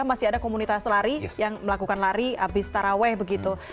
masih ada komunitas lari yang melakukan lari abis taraweh begitu